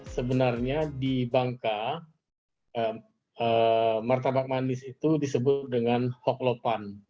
sebenarnya di bangka martabak manis itu disebut dengan hoklopan